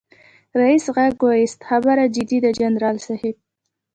ريس غږ واېست خبره جدي ده جنرال صيب.